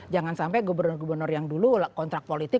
jangan sampai gubernur gubernur yang dulu kontrak politik